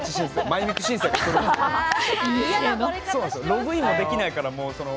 ログインもできないからもうその。